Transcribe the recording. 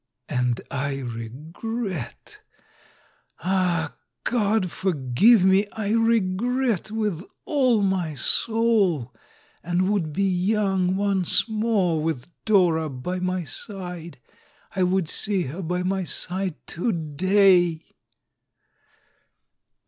And A RE\^RIE 367 I regret ! Ah, God forgive me, I regret with all my soul, and would be young once more, with Dora by my side; I would see her by my side to day!